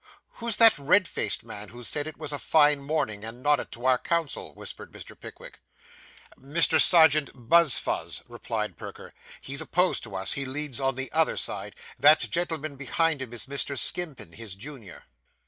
'Who's that red faced man, who said it was a fine morning, and nodded to our counsel?' whispered Mr. Pickwick. 'Mr. Serjeant Buzfuz,' replied Perker. 'He's opposed to us; he leads on the other side. That gentleman behind him is Mr. Skimpin, his junior.